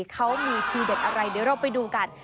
เขามีทีเด็ดอะไรเดี๋ยวเราไปดูกัน